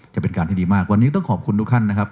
จะเป็นการที่ดีมากวันนี้ต้องขอบคุณทุกท่านนะครับ